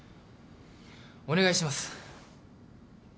お願いします。